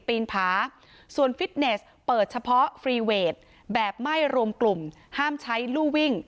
ปีนผาส่วนฟิตเนสเปิดเฉพาะฟรีเวทแบบไม่รวมกลุ่มห้ามใช้ลู่วิ่ง